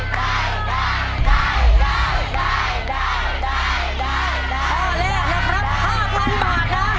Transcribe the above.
ข้อแรกละครับ๕๐๐๐บาทนะ